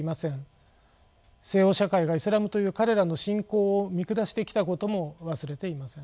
西欧社会がイスラムという彼らの信仰を見下してきたことも忘れていません。